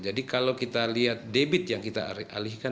jadi kalau kita lihat debit yang kita alihkan